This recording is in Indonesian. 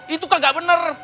itu kan gak bener